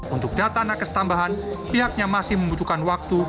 untuk data nakes tambahan pihaknya masih membutuhkan waktu